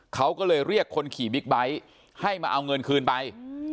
เขาก็เลยเรียกคนขี่บิ๊กไบท์ให้มาเอาเงินคืนไป